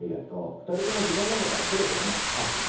２人とも非番なんだからそろそろね帰ってさ。